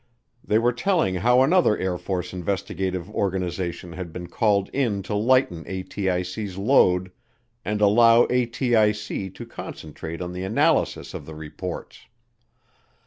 They were telling how another Air Force investigative organization had been called in to lighten ATIC's load and allow ATIC to concentrate on the analysis of the reports.